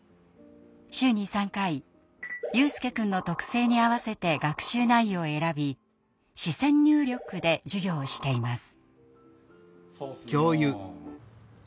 週に３回悠翼くんの特性に合わせて学習内容を選び視線入力で授業をしています。